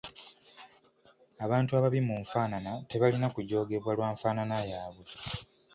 Abantu ababi mu nfaanana tebalina kujoogebwa lwa nfaanana yaabwe.